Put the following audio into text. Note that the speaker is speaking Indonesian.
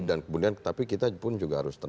dan kemudian tapi kita pun juga harus tenang